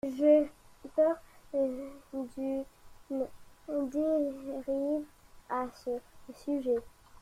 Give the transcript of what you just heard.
J’ai peur d’une dérive à ce sujet.